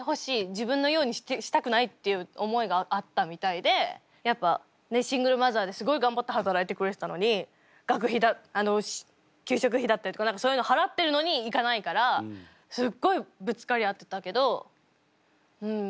自分のようにしたくない」っていう思いがあったみたいでやっぱシングルマザーですごい頑張って働いてくれてたのに学費だ給食費だったりとか何かそういうの払ってるのに行かないからすっごいぶつかり合ってたけどうん。